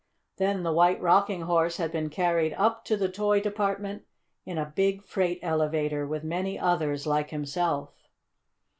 Then the White Rocking Horse had been carried up to the toy department in a big freight elevator, with many others like himself.